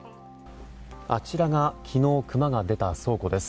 あちらが昨日、熊が出た倉庫です。